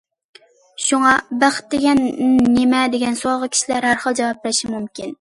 شۇڭا،‹‹ بەخت دېگەن نېمە؟›› دېگەن سوئالغا كىشىلەر ھەر خىل جاۋاب بېرىشى مۇمكىن.